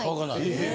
え！？